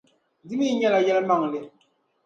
Di mi nyɛla yɛlimaŋli.